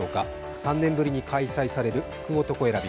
３年ぶりに開催される福男選び